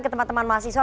ke teman teman mahasiswa